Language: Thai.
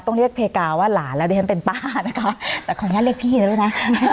ต้องเรียกเพกาว่าหลานแล้วเรียนเป็นป้านะคะแต่ของฉันเรียกพี่เลยนะ